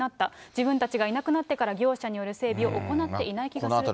自分たちがいなくなってから業者による整備を行っていない気がすると。